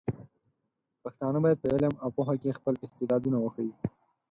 پښتانه بايد په علم او پوهه کې خپل استعدادونه وښيي.